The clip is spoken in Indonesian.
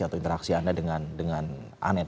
atau interaksi anda dengan anet